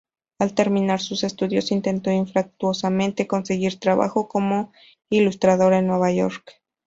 Al terminar sus estudios intentó infructuosamente conseguir trabajo como ilustrador en Nueva York.